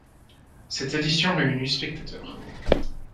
Cette édition réunit spectateurs.